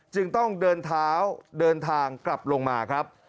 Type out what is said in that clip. จึงต้องเดินทางกลับลงมาครับ